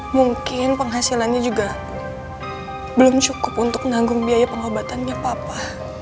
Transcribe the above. mungkin penghasilannya juga belum cukup untuk nanggung biaya pengobatannya apa apa